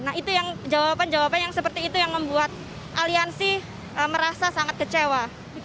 nah itu yang jawaban jawaban yang seperti itu yang membuat aliansi merasa sangat kecewa